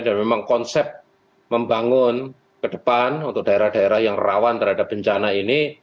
dan memang konsep membangun ke depan untuk daerah daerah yang rawan terhadap bencana ini